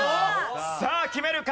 さあ決めるか？